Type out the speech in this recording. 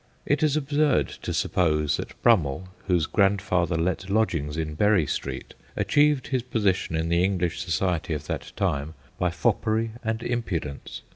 It is absurd to suppose that Brummell, whose grandfather let lodgings in Bury Street, achieved his position in the English society of that time by foppery and impudence.